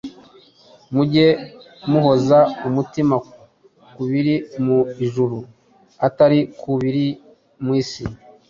Mujye muhoza umutima ku biri mu ijuru atari ku biri mu isi,